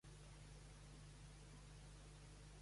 Floreix en una inflorescència densa amb moltes flors.